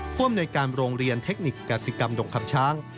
พ่วงในการลงเรียนเทคนิคการศิกรรมดงคำช้าง